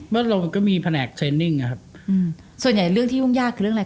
เราก็มีแผนกเทรนนิ่งนะครับอืมส่วนใหญ่เรื่องที่ยุ่งยากคือเรื่องอะไร